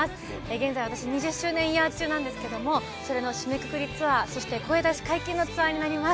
現在私２０周年イヤー中なんですけどもそれの締めくくりツアーそして声出し解禁のツアーになります